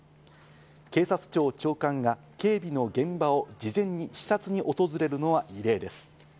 警察庁長官が警備の現場を事前に視察に訪れるのは異例です。